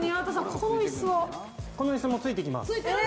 この椅子もついてきます。